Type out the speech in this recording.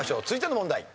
続いての問題。